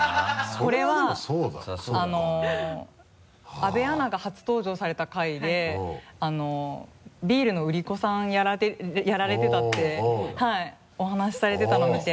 これは阿部アナが初登場された回でビールの売り子さんやられてたってお話しされてたの見て。